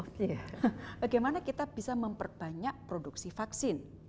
bagaimana kita bisa memperbanyak produksi vaksin